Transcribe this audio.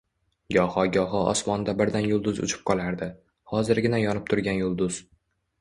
Goho-goho osmonda birdan yulduz uchib qolardi. Hozirgina yonib turgan yulduz